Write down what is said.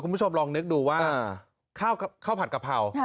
คุณผู้ชมลองนึกดูว่าข้าวผัดกะเพรา